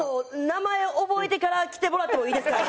名前を覚えてからきてもらってもいいですかね？